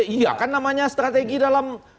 iya kan namanya strategi dalam